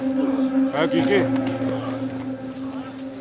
早く行け。